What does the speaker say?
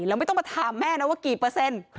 แล้วไม่ต้องมาถามแม่นะว่ากี่เปอร์เซ็นต์